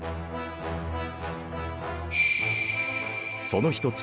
その一つ